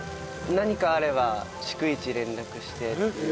何かあれば逐一連絡してっていう。